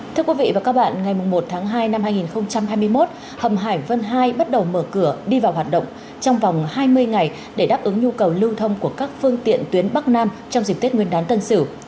thưa quý vị và các bạn ngày một tháng hai năm hai nghìn hai mươi một hầm hải vân hai bắt đầu mở cửa đi vào hoạt động trong vòng hai mươi ngày để đáp ứng nhu cầu lưu thông của các phương tiện tuyến bắc nam trong dịp tết nguyên đán tân sử